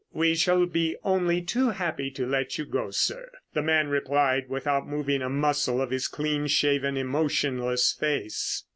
"We shall be only too happy to let you go, sir," the man replied without moving a muscle of his clean shaven, emotionless face.